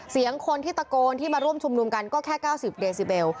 เสียงคนที่ตะโกนที่มาร่วมชุมนุมกันก็แค่๙๐เดซิเบล